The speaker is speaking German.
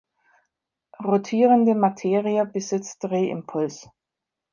Rotierende Materie besitzt Drehimpuls.